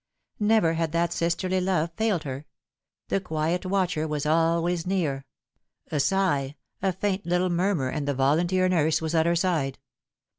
Never had that sisterly love failed her. The quiet watcher was always near. A sigh, a faint little mur mur, and the volunteer nurse was at her side.